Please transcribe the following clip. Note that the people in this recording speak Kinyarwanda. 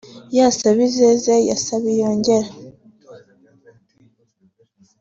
Ye Sabizeze ya Sabiyogera